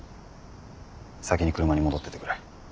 先に車に戻っててくれ。